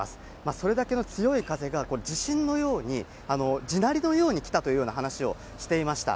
それだけの強い風が、地震のように地鳴りのように来たという話をしていました。